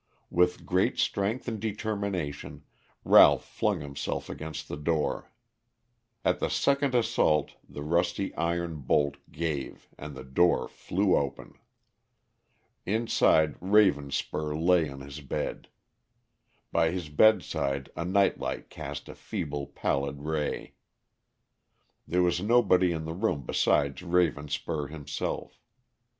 With great strength and determination Ralph flung himself against the door. At the second assault the rusty iron bolt gave and the door flew open. Inside, Ravenspur lay on his bed. By his bedside a nightlight cast a feeble pallid ray. There was nobody in the room besides Ravenspur himself.